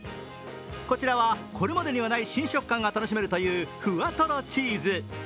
こちらはこれまでにはない新食感が楽しめるというふわとろチーズ。